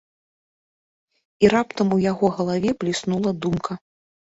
І раптам у яго галаве бліснула думка.